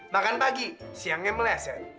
makan pagi siangnya meleset